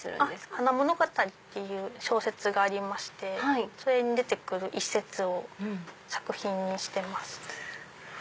『花物語』っていう小説がありましてそれに出てくる一節を作品にしてます。